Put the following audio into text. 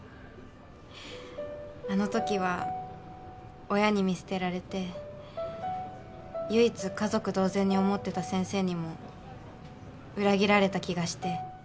あのときは親に見捨てられて唯一家族同然に思ってた先生にも裏切られた気がして。